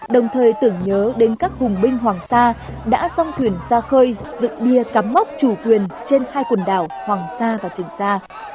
đồng thời tưởng nhớ đến các hùng binh hoàng sa đã dâng thuyền ra khơi dựng bia cắm mốc chủ quyền trên hai quần đảo hoàng sa và trường sa